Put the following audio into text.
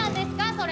それ。